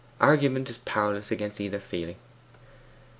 Argument is powerless against either feeling.